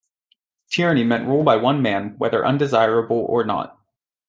"Tyranny" meant rule by one man whether undesirable or not.